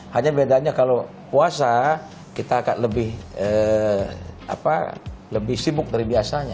hanya bedanya kalau puasa kita akan lebih sibuk dari biasanya